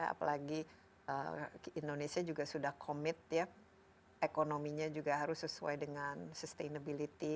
apalagi indonesia juga sudah commit ya ekonominya juga harus sesuai dengan sustainability